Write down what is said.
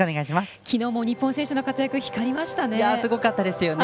きのうも日本選手の活躍光りましたよね。